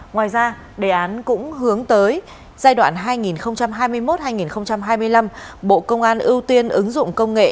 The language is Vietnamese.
ngoài ra đề án cũng hướng tới giai đoạn hai nghìn hai mươi một hai nghìn hai mươi năm bộ công an ưu tiên ứng dụng công nghệ